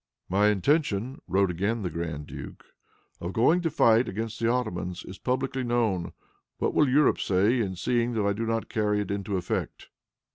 "My intention," wrote again the grand duke, "of going to fight against the Ottomans is publicly known. What will Europe say, in seeing that I do not carry it into effect?"